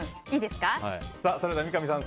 それでは三上さん